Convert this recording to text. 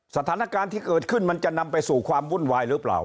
สถานการณ์ที่เกิดขึ้นมันจะนำไปสู่ความวุ่นวายหรือเปล่า